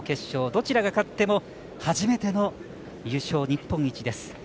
どちらが勝っても初めての優勝日本一です。